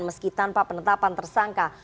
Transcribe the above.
meski tanpa penetapan tersangka